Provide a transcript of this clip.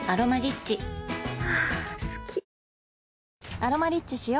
「アロマリッチ」しよ